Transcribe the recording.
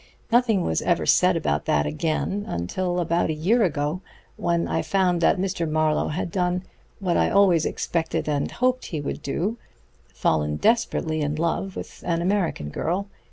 "Nothing was ever said about that again until about a year ago, when I found that Mr. Marlowe had done what I always expected and hoped he would do fallen desperately in love with an American girl.